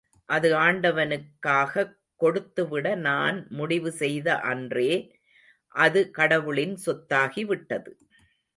அது ஆண்டவனுக்காக் கொடுத்து விட நான் முடிவு செய்த அன்றே, அது கடவுளின் சொத்தாகி விட்டது.